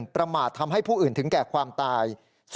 ประมาททำให้ผู้อื่นถึงแก่ความตาย